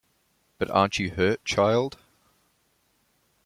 But aren't you hurt, child?